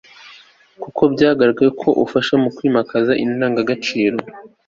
kuko byagaragaye ko ufasha mu kwimakaza indagagaciro